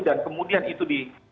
dan kemudian itu